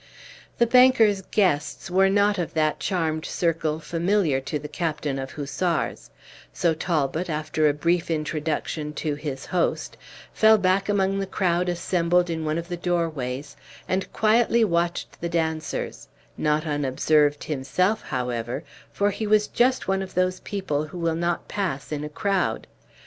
The banker's guests were not of that charmed circle familiar to the Captain of Hussars; so Talbot, after a brief introduction to his host, fell back among the crowd assembled in one of the doorways, and quietly watched the dancers; not unobserved himself, however, for he was just one of those people who will not pass in a crowd.